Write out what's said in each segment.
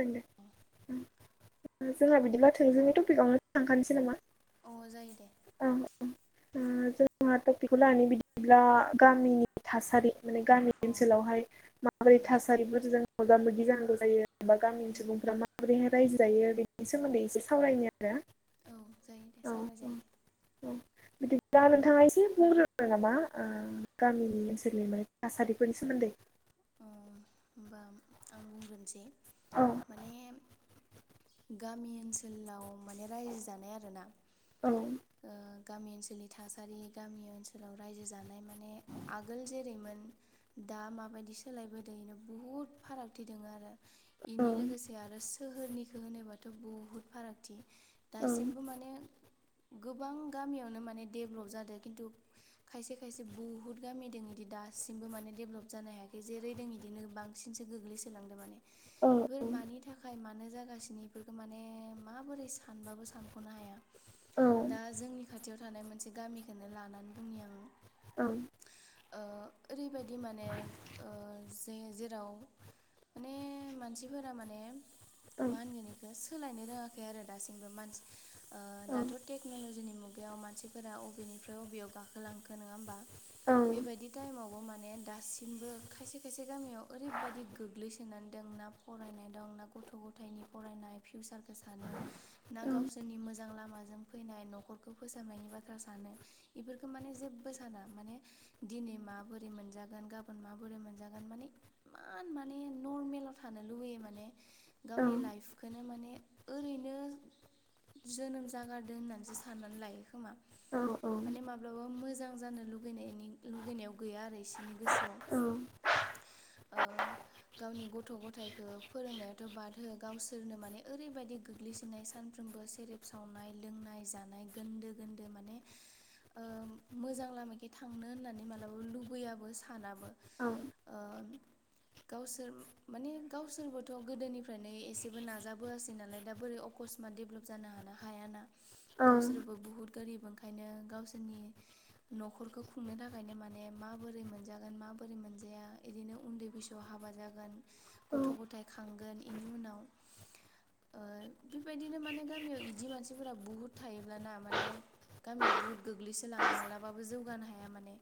दे जोंहा बिदिब्ला थोंजोनि टपिकआवनो थांखानोसै नामा? अ जायो दे औ औ जोंहा टपिकखौ लानो बिदिब्ला गामिनि थासारि। माने गामि अ ओनसोलावहाय माबोरै उम थासारिफोरजों मोगा मोगि जानांगौ जायो। बिदिब्ला गामिनि उम सुबुंफ्रा माबोरैहाय रायजो जायो बेनि सोमोन्दै एसे सावरायनाया। औ जायो दे हो औ औ सावरायजायो औ बिदिबब्ला उम नोंथाङा एसे बुंग्रो। नामा गामिनि ओनसोलनि माने थासारिफोरनि सोमोन्दै। होमबा आं बुंग्रोनोसै औ माने। गामि ओनसोलाव माने रायजो जानाय आरोना। औ ओ गामि ओनसोलनि थासारि गामि ओनसोलाव रायजो जानाय माने आगोल जेरैमोन। दा माबायदि सोलायबोदों इनो बुहुद फारागथि दोङो आरो औ बेनि लोगोसे आरो। सोहोरनिखो होनोबाथ' बुहुद फारागथि दासिमबो माने गोबां गामियावनो माने डेभेलप जादों खिन्थु। खायसे खायसे बुहुद गामि द इदि दासिमबो माने डेभेलप जानो हायाखै। जेरै द बिदिनो बांसिनसो गोग्लैसोलांदों माने औ बोरमानि थाखाय म जागासिनो बेफोरखौ माने माबोरै सानबाबो सानखनो हाया। औ दा जोंनि खाथियाव थानाय मोनसे गामिखौनो लानानै बुंनि आं। औ ओरैबायदि माने ज जेराव माने मानसिफोरा माने औ मा होंगोन बेखौ सोलायनो रोङाखै आरो दासिमबो मानसि अ औ दाथ' टेक्न'लजिनि मुगायाव मानसिफोरा अबेनिफ्राय अबेयाव गाखोलांखो नङा होमबा बेबायदि टाइमावबो माने दासिमबो खायसे खायसे गामियाव ओरैबायदि गोग्लैसोनानै दं ना फरायनाय दं ना गथ' गथायाइनि फरायनाय संसार सनो ना गावसोरनि मोजां मोजां लामाजों फैनाय न'खरखौ फोसाबनायनि बाथ्रा सानो बेफोरखौ माने जेबो साना माने दिनै माबोरै मोनजागोन गाबोन माबोर बोरै मोनजागोन माने इमान माने नर्मेलाव थानो लुुगैयो माने गावनि लाइफखौनो माने ओरैनो जोनोम जागारदों होननानैसो साननानै लायो खोमा औ औ औ माने माब्लाबा मोजां जानो लुबैनायनि लुगैनायाव गैया आरो इसनि गोसोआव आ गावनि गथ' गथायाइखौ फोरोंनायाथ' बाद हो गावसोरनो माने ओरैबायदि गोग्लैसननाय सानफ्रोम बो सेरेब सावनाय लोंनाय जानाय गोनदो गोनदो माने मोजां लामाखि थांनो होननानै मालाबा लुबैयाबो सानाबो औ अं गावसोर माने गावसोरबोथ' गोदोनिफ्रायनो एसेबो नाजाबोआसै नालाय दा बोरैख कसमा दडेभलप जानो हानो हायाना गावसोरबो बुहुत गोरिब ओंखायनो गावसोरनि न'खरखौ खुंनो थाखायनो माने माबोरै मोनजागोन माबोरै बोरै मोनजाया बिदि बिदिनो उन्दै बैसोआव हाबा जागोन गथ' गथाय खांगोन बेनि उनाव बेबायदिनो माने गामियाव बिदि मानसिफोरा बुहुद थायोब्लाना माने गामिया बुहुत गोग्लैसोलाङो मालाबाबो जौगानो हाया माने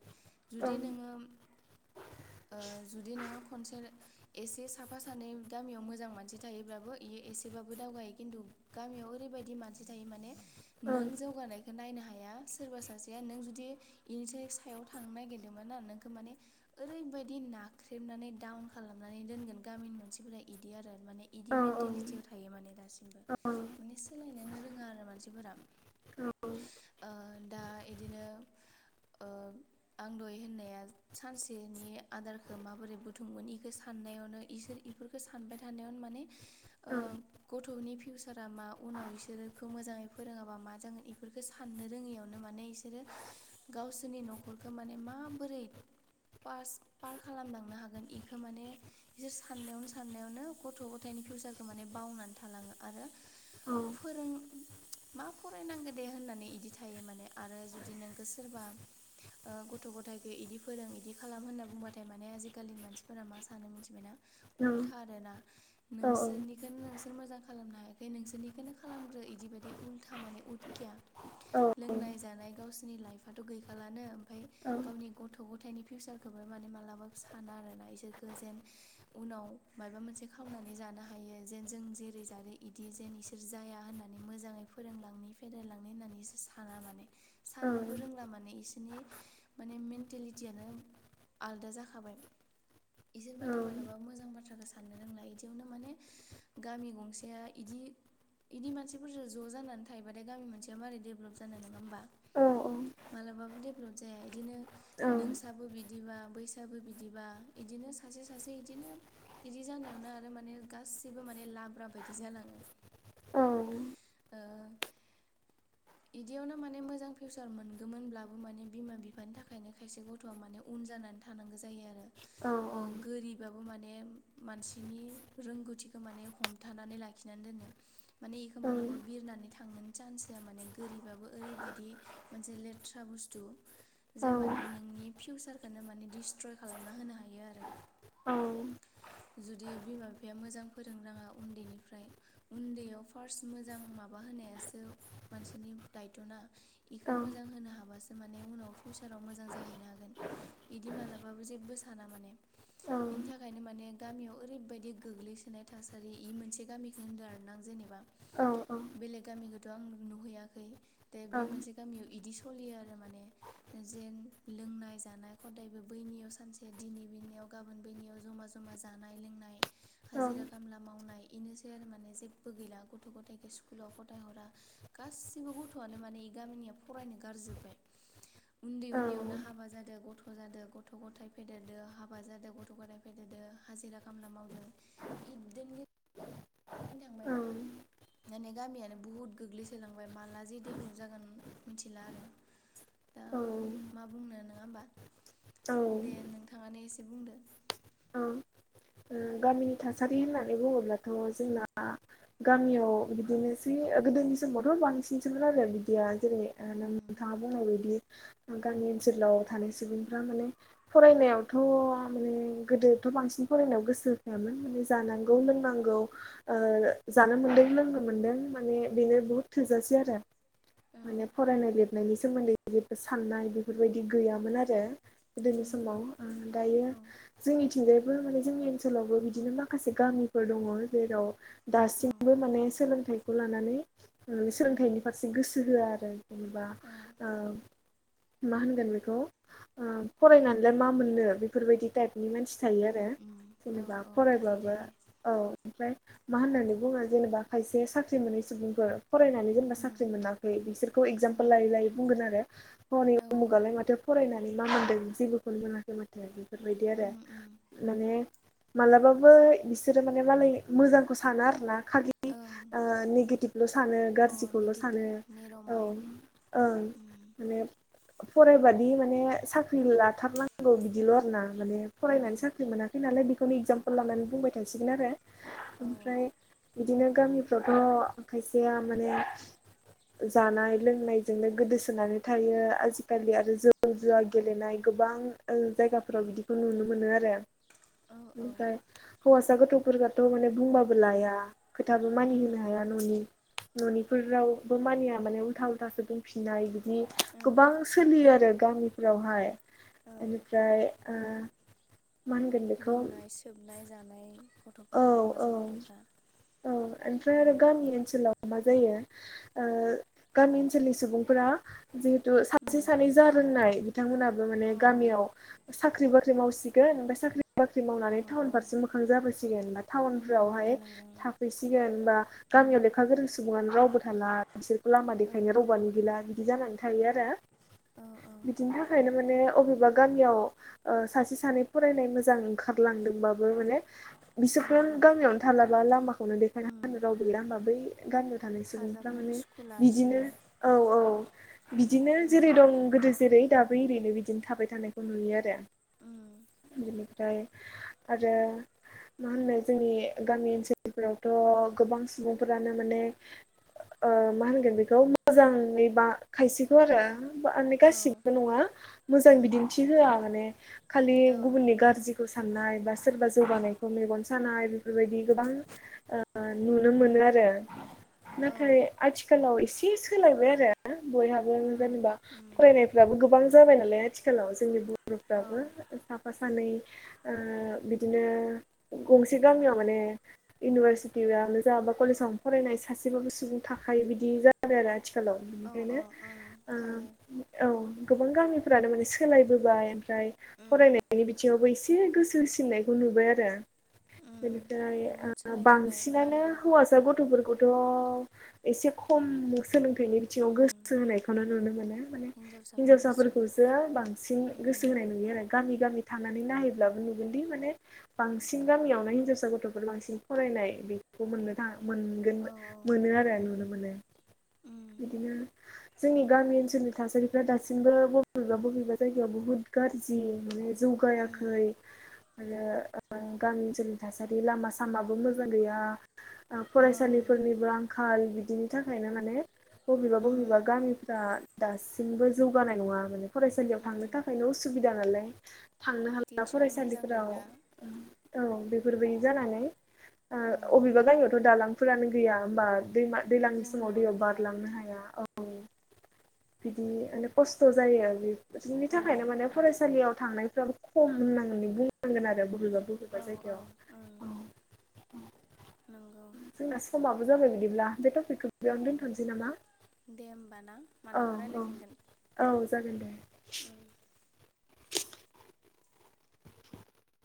जुदि नोङो अ जुदि नोङो खनसे एसे साफा सानै गामियाव मोजां मानसि थायोब्लाबो बे एसेब गदावगायो खिन्थु गामियाव ओरैबायदि मानसि थायो माने नों जौगानायखौ नायनो हाया सोरबा सासेया नों जुदि इनिस सायाव थांनो नागिरदोंमोन ना नोंखौ माने ओरैबायाददि नाख्रेबनानै दडाउन खालामनानै दोनगोन गामिनि मानसिफोरा इदि आरो माने इदि मेन्टेलिटियाव थायो माने दासि माने सोलायनोनो रोङा आरो मानसिफोरा अ दा इदिनो आं दय होननाया सानसेनि आदारखौ माबोरै बुथुमगगोन बेखौ साननायावनो इसोर इफोरखौ सानबाय थानायावनो माने गथ'नि फिउचारा मा उनाव बिसोरखौ मोजाङै फोरोङाबा मा जागोन इफोरखौ साननो रोङियावनो माने बिसोरो गावसोरनि न'खरखौ माने माबोरै पास पार खालामलांनो हागोन बेखौ माने बिसोर साननायावनो साननायावनो गथ' गथायनि फैसारखौ माने बावनानै थालाङो आरो फोरों मा फरायनांगौ दे होननानै बिदि थायो माने आरो जुदि नोंखौ सोरबा गथ' गथथायखौ इदि फोरों इदि दाखालाम होनना बुंबाथाय माने आजिखालिनि मानसिफोरा मा सानो मिथिबायना उल्था आरोना नोंसोरनिखौनो नोंसोर मोजां खालामनो हायाखै नोंसोरनिखौनो खालामग्रो इदि बायदि उल्था माने उदखिया लोंनाय जानाय गावसिोरनि लाइफआथ' गैखालानो ओमफ्राय गावनि गथ' गथाय फिउचारखौबो माने मालाबाबो साना आरोना इसोर गोजेन उनाव माबा मोनसे खालामनानै जानो हायो जेन जों जेरै जादों इदि जेन इसोर जाया होननानै मोजाङै फोरोंलांनो फेेदेरलांनो होननानैसो साना माने साननोबो रोंला माने बिसोरनि माने मेन्टेलिटियानो आलदा जाखाबाय बिसोर माने मालाबा मोजां बाथ्राखौ सा आननो रोंला इदियावनो माने गामि गंसेया इदि इदि मानसिफोरजो जानानै थायोबाथाय गामि मोनसेया मारै देब्लप जानो नङा होमबा मालाबाबो डेभेलप जाया बिदिनो नों बो बिदिबा बैसाबो बिदिबा इदिनो सासे सासे इदिनो इदि जानायावनो आरो माने गासैबो माने लाब्रा बायदि जालाङो औ ओ इदियावनो माने मोजां फिउसार मोनगौमोनब्लाबो माने बिमा बिफानि थाखायनो खायसे गथ' थ'आ माने उन जानानै थांगौ जायो आरो ओ गोरिबा माने मानसिनि रोंगौथिखौ माने हमथानानै लाखिनानै दोननो माने बेखौ मालाबा बिरनानै थांनोनो चान्स होआ माने गोरिबाबो ओरैबायदि मोनसे लेथ्रा बुस्थु जे माने नोंनि फिउसारखौनो माने डिस्ट्रय खालामना होनो हायो आरो। औ। जुदि बिमा बिफाया मोजां फोरों राङा उन्दैनिफ्राय उन्दैयाव फार्स्ट मोजां माबा होनायासो मानसिनि दायथ'ना इखौ मोजां होनो हाबासो माने उनाव फिउचाराव मोजां जाहैनो हाग गोन इदि मालाबाबो जेबो साना माने इनि थाखायनो माने गामियाव ओरैबायदि गोग्लैसोनाय थासारि इ मोनसे गामिखौ होनदो आरो ना जेनेबा बेलेग गामिखौथ' आं नुहैयाखै दा बे मोनसे गामियाव इदि स सलियो आरो माने जेन लोंनाय जानाय खदायबो बैनियाव सानसे दिनै बिनियाव गाबोन बैनियाव जमा जमा जानाय लोंनाय हाजिरा खामला मावनाय इनोसै आरो माने जेब्बो गैला गथ' गथायाइख स्कुलाव गथायहरा गासिबो गथ'आनो माने गामिनिया फरायनो गारजोबबाय उन्दै उन्दैयावनो हाबा जाद दो गथ' जादो गथ' गथाय फेदेरदो हाबा जादो गथ' गथाय फेदेरदो हाजिरा खामला मावदो [unintelligible] [unintelligible] माने गामियानो बुहुत गोग्लैसोलांबाय माला जे डेभलप जागोन मिथिला आरो दा औ मा बुंनो नङा होमबा दे नोंथाङानो एसे बुंदो। औ ओ गामिनि थासारि होननानै बुङोब्लाथ' जोंना गामियाव बिदिनोसै गोदोनि समावथ' बांसिनसोमोन आरो बिदिया। जेरै नोंथाङा बुंनाय बायदि गामि ओनसोलाव थानाय सुबुंफ्रा माने फरायनायावथ' माने गोदोथ' बांसिन फरायनायाव गोसो होखायामोन माने जानांगौ लोंनांगौ ओ जानो मोनदों लोंनो मोन्दों माने बेनो बुहुद थोजासे आरो। औ माने फरायनाय लिरनायनि सोमोन्दै जेबो साननाय बेफोरबायदि गैयामोन आरो। गोदोनि उम उम समाव ओ दायो औ जोंनिथिंजायबो माने जोंनि ओनसोलावबो बिदिनो माखासे गामिफोर दङ जेराव औ दासिमबो माने सोलोंथाइखौ लानानै उम सोलोंथाइनि फारसे गोसो होआ आरो जेनेबा औ [unintelligible] मा होनगोन बेखौ ओ फरायनानैलाय मा मोननो बेफोरबायदि टाइप नि मानसि थायो उम आरो उम औ जेनेबा औ थायो फरायबाबो थायो औ ओमफ्राय मा होननानै बुङो जेनेबा खायसे साख्रि मोनै सुबुंफोर फरायनानै जेनेबा उम साख्रि मोनाखै बिसोरखौ उम एक्जामपोल लायै लायै बुंगोन आरो। हनै औ औ उमुगालाय माथो फरायनानै मा मोनदों जेबोखौनो मोनाखै माथो बेफोरबायदि आरो। उम उम माने मालाबाबो इसोरो माने मालाय मोजांखौ साना आरोना। खालि ओं। ओ नेगिटिभल' सानो अ गाज्रिखौल' सानो नेगेटिभ नेर' औ माइन्ड ओं। उम माने फरायबादि माने साख्रि लाथारनांगौ बिदिल' आरोना माने ओं फरायनानै साख्रि मोनाखै नालाय बेखौनो एगजामपोल लानानै बुंबाय थांसिगोन आरो औ ओमफ्राय बिदिनो गामिफ्रावथ' खायसेया माने जानाय लोंनायजोंनो गोदोसोनानै थायो आजिखालि आरो जौ जुवा गेलेनाय गोबां ओ जायगाफोराव बिदिखौ नुनो मोनो आरो औ औ ओमफ्राय हौवासा गथ'फोरखौथ' माने बुंबाबो लाया खोथाबो मानि उम होनो उम हाया न'नि न'निफोरावबो मानिया माने उल्था उल्थासो दंफिननाय बिदि ओं गोबां सोलियो आरो गामिफोरावहाय औ इनिफ्राय ओ मा होनगोन बेखौ लोंनाय सोबनाय जानाय गथ औ औ औ ओमफ्राय आरो उम गामि ओनसोलाव मा जायो ओ गामि ओनसोलनि सुबुंफोरा जिहेतु उम सासे सानै जा रोंनाय बिथांमोनाबो माने अ अ गामियाव सा [unintelligible] बाख्रि मावसिगोन ओमफाय साख्रि बाख्रि औ मावनानै टाउन औ फारसे मोखां जाबोसिगोन टाउन उम नंगौ फोरावहाय नंगौ थाफैसिगोनबा उम गामियाव लेखा गोरों सुबङानो रावबो थाला बिसोरखौ लामा औ देखायनो रावबोआनो गैला बिदि जानानै थायो आरो औ बिदिनि थाखायनो माने अबेबा गामियाव ओ सासे सानै फरायनाय मोजां ओंखारलांदोंबाबो माने औ बिसोरखौनो गामियावनो थालाबा लामाखौनो देखायना उम हानो रावबोै गैला होमबा बै गामियाव थानाय सुबुंफ्रा थाजाबनोबो माने सुखुला बिदिनो इसोरो औ औ बिदिनो उम जेरै दं गो जेरै दाबै एरैनो बिदिनो थाबाय थानायखौ नुयो आरो उम बिनिफ्राय आरो मा होननो जोंनि गामि ओनसोलफोरावथ' गोबां सुबुंफोरानो माने ओ मा होनगोन बेखौ मोजाङै बा खायसेखौ आरो माने औ गासिबो नङा मोजां उम बिदिन्थि होआ माने खालि औ गुबुननि गारजिखौसो साननाय बा सोरबा जौगानाय सानाय बेफोरबायदि गोबां नुनो मोनो आरो [unintelligible] औ नाथाय आथिखालाव एसे सोलायबाय आरो बयहाबो उम जेनेबा उम फरायनायफ्राबो गोबां जाबाय नालाय आथिखालाव जोंनि औ [unintelligible] साफा सानै ओ बिदिनो गंसे गामियाव माने इउनिभारसिटियानोजा बा कलेजावनो फरायनाय सासेबाबो सुबुं थाखायो बिदि जाबाय आरो आथिखालाव औ बेनिखायनो औ ओं थायो ओ औ गोबां गामिफ्रानो माने सोलायबोबाय ओमफ्राय उम फरायनायनि बिथिङावबो एसे गोसो होसिननायखौ नुबाय आरो उम बेनिफ्राय बहुद ओ सोलायबोबाय बांसिनानो मालाय हौवासा गथ'फोरखौ [unintelligible] एसे खम सोलोंथाइनि बिथिङाव उम गोसो होनायखौनो नुनो मोनो माने हिन्जावसाफोरनिस्राय हिनजावसाफोरखौसो बांसिन उम गोसो होनाय नुयो आरो गामि गामि थांनानै नायहैब्लाबो नुगोनदि माने बां बांसिन गामियावनो हिनजावसा गथ'फोर बांसिन फरायनाय बेखौ मोननो थाङो मोनगोन औ औ मोनो आरो उम नुनो मोनो उम बिदिनो जोंनि गामि ओनसोलनि थासारिफ्रा दासिमबो बबेबा बबेबा जायगायाव बुहुत गाज्रि माने जौगायाखै उम आरो गामि ओनसोलनि थासारि लामा सामाबो मोजां गैया ओं फरायसालिफोरनिबो आंखाल बिदिनि थाखायनो माने बबेबा उम बबेबा गामिफ्रा दासिमबो जौगानाय नङा माने फरायसालियाव थांनो उम थाखायनो उसुबिदा नालाय थांनो हाला टिचार मोजां फरायसालिफोराव गैला औ बेफोरबायदि जानानै आ उम अबेबा गामियावथ' दालांफोरानो गैया होमबा दैमा दैलांनि समाव जोंनियावनो दैयाव गैया बारलांनो हाया औ बिदि माने खस्थ' जायो आरो बि बिनि औ थाखायनो माने फरायसालियाव थांनायफ्राबो खम होननांगोन बे बुंनांगोन आरो बबेबा बबेबा औ औ ओं जायगायाव नंगौ जोंना समाबो जाबाय बिदिब्ला बे टपिकखौ बेयावनो दोनथ'नोसै नामा? होनबा ना औ मालाबा औ रायलायफिनगोन औ जागोन दे